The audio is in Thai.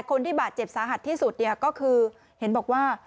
คนที่บาดเจ็บสาหัสที่สุดเนี่ยก็คือเห็นบอกว่า